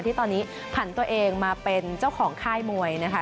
ที่ตอนนี้ผันตัวเองมาเป็นเจ้าของค่ายมวยนะคะ